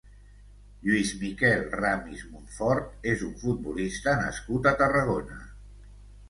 Lluís Miquel Ramis Montfort és un futbolista nascut a Tarragona.